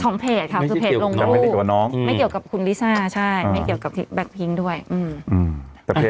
เพจค่ะคือเพจลงไม่เกี่ยวกับคุณลิซ่าใช่ไม่เกี่ยวกับแบ็คพิ้งด้วยอืมแต่เพจ